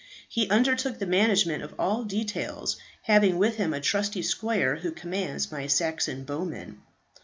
He undertook the management of all details, having with him a trusty squire who commands my Saxon bowmen."